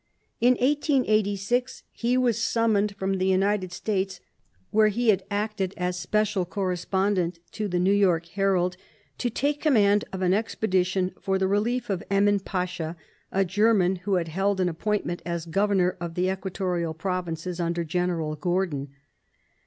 In 1886 he was summoned from the United States, where he had acted as special correspondent to the New York Herald, to take command of an expedi tion for the relief of Emin Pasha, a German, who had held an appointment as Governor of the Equatorial Provinces under General Gordon.